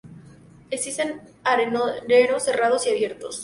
Existen areneros cerrados y abiertos.